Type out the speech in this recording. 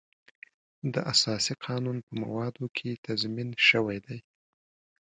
د اساسي قانون په موادو کې تضمین شوی دی.